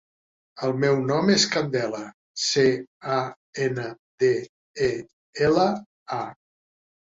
El meu nom és Candela: ce, a, ena, de, e, ela, a.